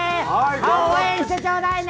応援してちょうだいね！